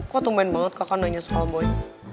kok tumben banget kakak nanya soal boy